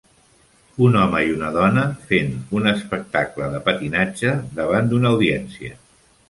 Un home i una dona fent un espectable de patinatge, davant d"una audiència.